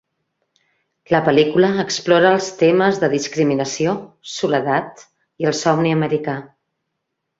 La pel·lícula explora els temes de discriminació, soledat i el somni americà.